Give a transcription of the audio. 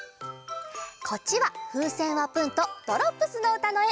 こっちは「ふうせんはプン」と「ドロップスのうた」のえ！